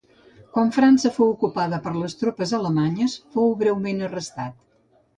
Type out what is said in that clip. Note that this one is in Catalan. Quan França fou ocupada per les tropes alemanyes, fou breument arrestat.